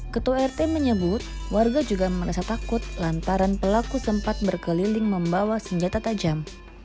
ketua rt menyebut warga juga merasa takut lantaran pelaku sempat berkeliling membawa senjata tajam